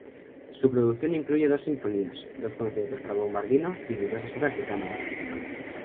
Su producción incluye dos sinfonías, dos conciertos para bombardino y diversas obras de cámara.